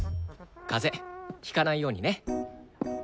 風邪ひかないようにね。